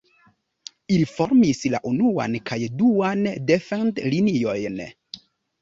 Ili formis la unuan kaj duan defend-liniojn.